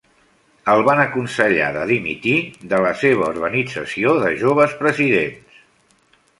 El van aconsellar de dimitir de la seva Young Presidents Organization.